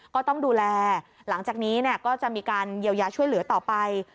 ก็ต้องดูแลหลังจากนี้ก็จะมีการเยียวยาช่วยเหลือต่อไป